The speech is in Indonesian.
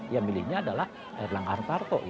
yang milihnya adalah erlang artarto